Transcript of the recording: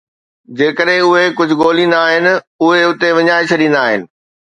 جيڪڏهن اهي ڪجهه ڳوليندا آهن، اهي اتي وڃائي ڇڏيندا آهن